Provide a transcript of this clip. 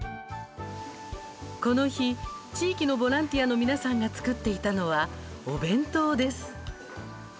この日、地域のボランティアの皆さんが作っていたのはお弁当です。